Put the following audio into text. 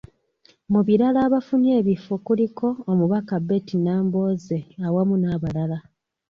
Mu balala abafunye ebifo kuliko; omubaka Betty Nambooze awamu n’abalala.